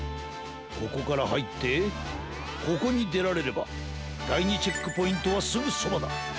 ここからはいってここにでられればだい２チェックポイントはすぐそばだ。